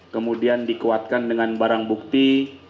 kemudian dikuatkan dengan barang bukti